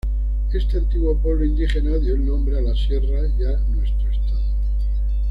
Este antiguo pueblo indígena dio el nombre a la sierra y a nuestro estado.